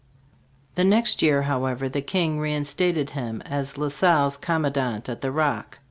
The next year, however, the King reinstated him as La Salle's commandant at the Rock.